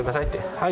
はい。